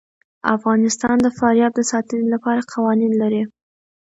افغانستان د فاریاب د ساتنې لپاره قوانین لري.